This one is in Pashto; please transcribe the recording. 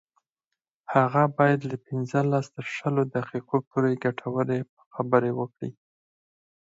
هغه باید له پنځلس تر شلو دقیقو پورې ګټورې خبرې وکړي